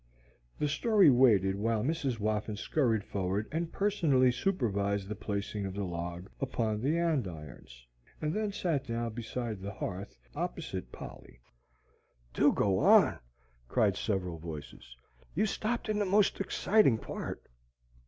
The story waited while Mrs. Whoffin scurried forward and personally supervised the placing of the log upon the andirons, and then sat down beside the hearth opposite Polly. "Do go on!" cried several voices. "You stopped in the most exciting part."